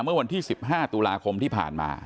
เมื่อวันที่๑๕ตุลาคมที่ผ่านมา